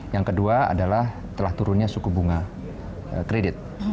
yang kedua adalah telah turunnya suku bunga kredit